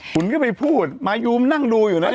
หนูถึงให้ไปพูดมายูมันนั่งดูอยู่นะนี่